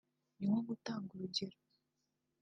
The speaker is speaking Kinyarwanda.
ni nko gutanga urugero”